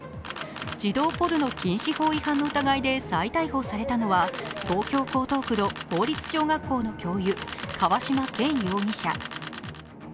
児童ポルノ禁止法違反の疑いで再逮捕されたのは東京・江東区の公立小学校の教諭、河嶌健容疑者。